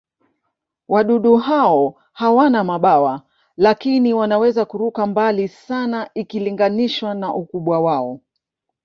Wadudu hao hawana mabawa, lakini wanaweza kuruka mbali sana ikilinganishwa na ukubwa wao.